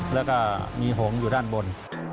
แล้วก็มีหงอยู่ด้านบน